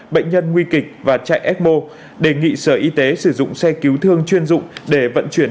bệnh nhân nguy kịch và chạy ecmo đề nghị sở y tế sử dụng xe cứu thương chuyên dụng để vận chuyển